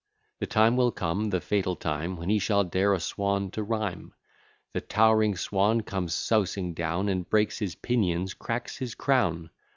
The time will come, the fatal time, When he shall dare a swan to rhyme; The tow'ring swan comes sousing down, And breaks his pinions, cracks his crown.